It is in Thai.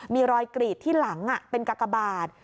มีรอยกรีดที่หลังเป็นกากบาท